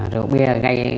rượu bia gây